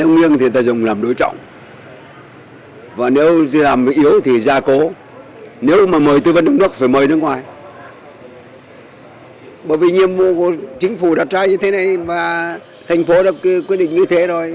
bởi vì nhiệm vụ của chính phủ đặt ra như thế này thành phố đã quyết định như thế rồi